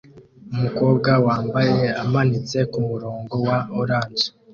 Umukobwa wambaye amanitse kumurongo wa orange